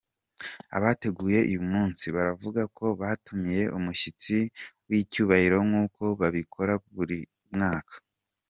Abateguye uyu munsi baravuga ko batumiye umushyitsi w’icyubahiro nk’uko babikora buri mwaka.